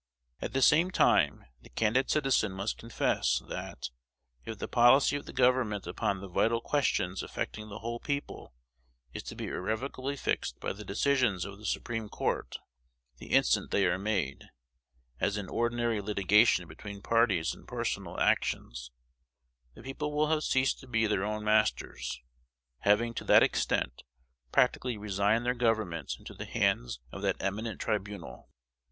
At the same time, the candid citizen must confess, that, if the policy of the government upon the vital questions affecting the whole people is to be irrevocably fixed by the decisions of the Supreme Court the instant they are made, as in ordinary litigation between parties in personal actions, the people will have ceased to be their own masters, having to that extent practically resigned their government into the hands of that eminent tribunal.